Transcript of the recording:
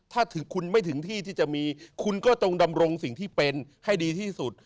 ถ้าคุณไม่ถึงที่ที่จะมีคุณก็จงดำรงสิ่งที่เป็นให้ดีที่สุด